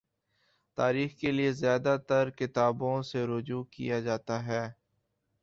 تاریخ کے لیے زیادہ ترکتابوں سے رجوع کیا جاتا ہے۔